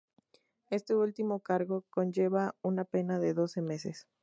Este último cargo conlleva una pena de doce meses.